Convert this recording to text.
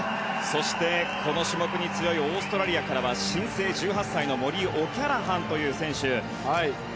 そして、この種目に強いオーストラリアからは新星１８歳のモリー・オキャラハンという選手。